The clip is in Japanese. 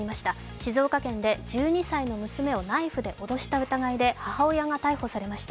静岡県で１２歳の娘をナイフで脅した疑いで母親が逮捕されました。